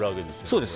そうです。